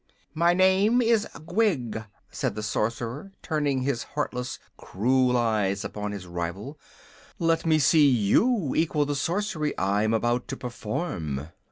"My name is Gwig," said the Sorcerer, turning his heartless, cruel eyes upon his rival. "Let me see you equal the sorcery I am about to perform."